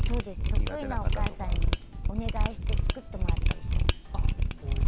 得意なお母さんにお願いして作ってもらったりしていました。